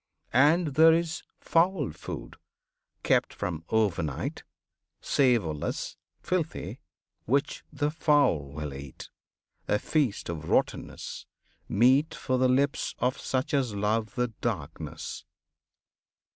And there is foul food kept from over night,[FN#36] Savourless, filthy, which the foul will eat, A feast of rottenness, meet for the lips Of such as love the "Darkness."